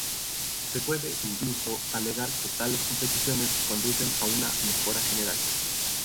Se puede incluso alegar que tales competiciones conducen a una mejora general.